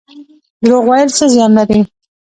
دروغ ویل څه زیان لري؟